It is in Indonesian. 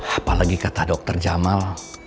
apalagi kata dokter jamal